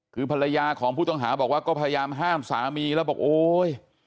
คือภรรยาของผู้ต้องหาบอกว่าก็พยายามห้ามสามีแล้วบอกโอ๊ย